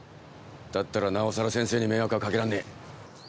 だったらなおさら先生に迷惑はかけらんねえ。